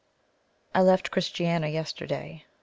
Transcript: I left Christiania yesterday.